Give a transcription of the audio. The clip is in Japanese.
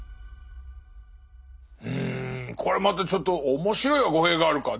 うんこれまたちょっと面白いは語弊があるか。